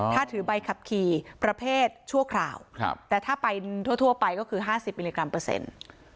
ถ้าถือใบขับขี่ประเภทชั่วคราวครับแต่ถ้าไปทั่วทั่วไปก็คือห้าสิบมิลลิกรัมเปอร์เซ็นต์